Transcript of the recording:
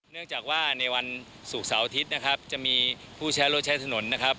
เนื่องจากว่าในวันศุกร์เสาร์อาทิตย์นะครับจะมีผู้ใช้รถใช้ถนนนะครับ